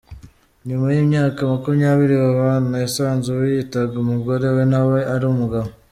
Nyuma y’imyaka makumyabiri babana, yasanze uwiyitaga umugore we nawe ari umugabo